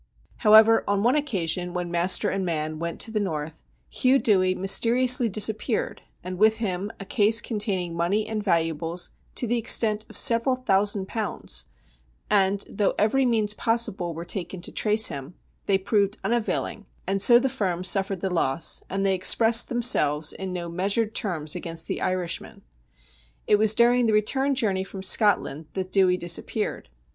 However, on one occasion when master and man went to the North, Hugh Dewey mysteriously disappeared, and with him a case containing money and valuables to the extent of several thousand pounds, and, though every means possible were taken to trace him, they proved unavailing, and so the firm suffered the loss, and they expressed themselves in no measured term's against the Irishman. It was during the return journey from Scotland that Dewey disappeared.